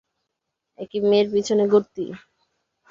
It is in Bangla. একই মেয়ের পিছনে ঘুরতি?